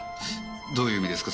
どういう意味ですか？